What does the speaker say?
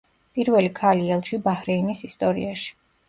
პირველი ქალი ელჩი ბაჰრეინის ისტორიაში.